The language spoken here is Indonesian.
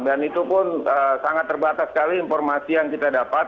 dan itu pun sangat terbatas sekali informasi yang kita dapat